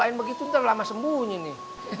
lain begitu ntar lama sembunyi nih